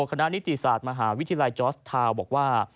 นิติศาสตร์มหาวิทยาลัยจอร์สทาวน์บอกว่า